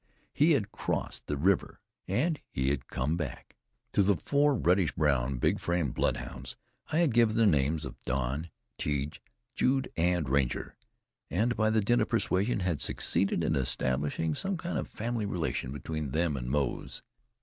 He had crossed the river, and he had come back! To the four reddish brown, high framed bloodhounds I had given the names of Don, Tige, Jude and Ranger; and by dint of persuasion, had succeeded in establishing some kind of family relation between them and Moze.